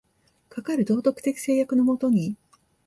かかる道徳的制約の下に、